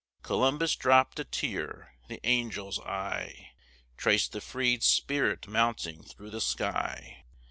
Columbus dropp'd a tear. The angel's eye Trac'd the freed spirit mounting thro' the sky.